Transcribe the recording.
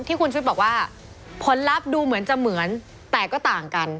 ที่คุณชุวิตบอกว่าผลลัพธ์ดูเหมือนจะเหมือนแต่ก็ต่างกัน